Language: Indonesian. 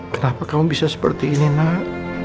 kenapa kamu bisa seperti ini nak